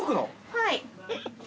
はい。